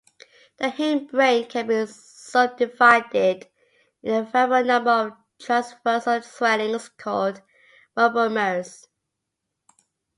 The hindbrain can be subdivided in a variable number of transversal swellings called rhombomeres.